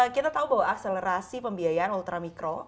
kita tahu bahwa akselerasi pembiayaan ultra mikro